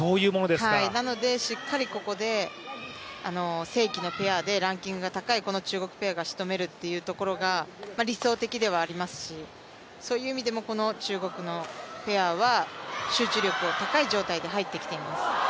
なのでしっかりここで正規のペアでランキングの高いこの中国ペアがしとめるというところが理想的ではありますし、そういう意味でも中国のペアは集中力が高い状態で入ってきています。